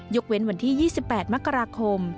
เว้นวันที่๒๘มกราคม